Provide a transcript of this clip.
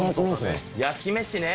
焼き飯ね。